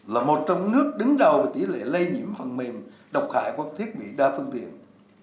là một trong nước đứng đầu về tỷ lệ lây nhiễm phần mềm độc hại qua thiết bị đa phương tiện